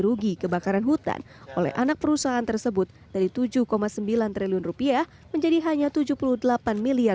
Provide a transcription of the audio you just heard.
rugi kebakaran hutan oleh anak perusahaan tersebut dari tujuh sembilan triliun rupiah menjadi hanya tujuh puluh delapan miliar